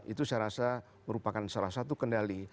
itu saya rasa merupakan salah satu kendali